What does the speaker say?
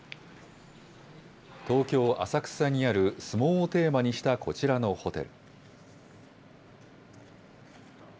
東京・浅草にある相撲をテーマにしたこちらのホテル。